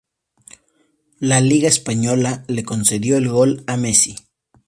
La Liga española le concedió el gol a Messi.